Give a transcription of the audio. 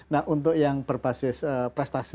nah untuk yang berbasis prestasi